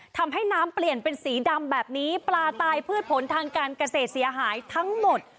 ทำให้น้ำเปลี่ยนเป็นสีดำแบบนี้ปลาตายพืชผลทางการเกษตรเสียหายทั้งหมด